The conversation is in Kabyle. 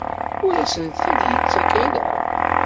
Ur asen-t-id-yettak ara?